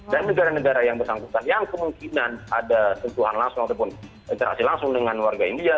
dan negara negara yang bersangkutan yang kemungkinan ada tentuhan langsung ataupun interaksi langsung dengan warga india